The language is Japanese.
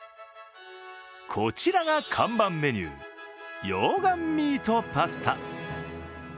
こちらが看板メニュー、溶岩ミートパスタ。